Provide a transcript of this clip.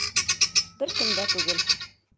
Бер кем дә түгел.